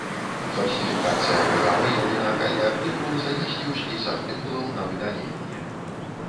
Фальсіфікацыя была выяўлена, калі артыкул занеслі ў спіс артыкулаў на выдаленне.